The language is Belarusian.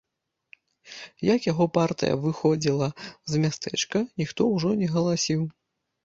Як яго партыя выходзіла з мястэчка, ніхто ўжо не галасіў.